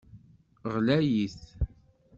Ɣlayit.